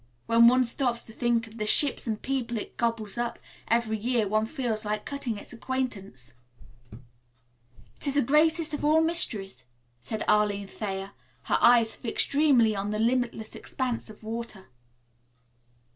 When one stops to think of the ships and people it gobbles up every year one feels like cutting its acquaintance." "It is the greatest of all mysteries," said Arline Thayer, her eyes fixed dreamily on the limitless expanse of water.